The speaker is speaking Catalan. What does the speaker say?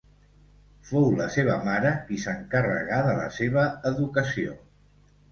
Fou la seva mare qui s'encarregà de la seva educació.